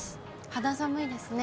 肌寒いですね。